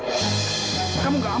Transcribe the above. kamu tidak aman di rumah ini